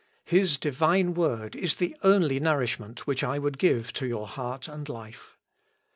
His divine word is the only nourishment which I would give to your heart and life."